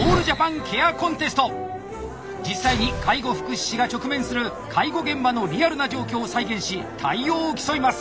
実際に介護福祉士が直面する介護現場のリアルな状況を再現し対応を競います！